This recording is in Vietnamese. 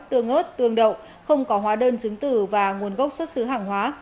tương ớt tương đậu không có hóa đơn chứng tử và nguồn gốc xuất xứ hàng hóa